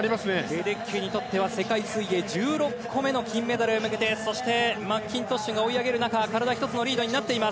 レデッキーにとっては世界水泳１６個目の金メダルに向けてマッキントッシュが追い上げる中体１つのリード。